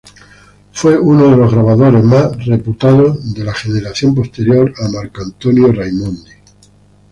Fue uno de los grabadores más reputados de la generación posterior a Marcantonio Raimondi.